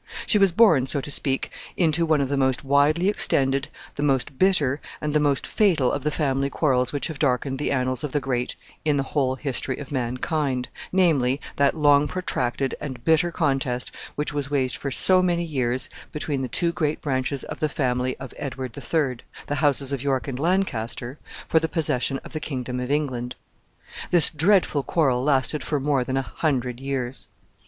She was born, so to speak, into one of the most widely extended, the most bitter, and the most fatal of the family quarrels which have darkened the annals of the great in the whole history of mankind, namely, that long protracted and bitter contest which was waged for so many years between the two great branches of the family of Edward the Third the houses of York and Lancaster for the possession of the kingdom of England. This dreadful quarrel lasted for more than a hundred years.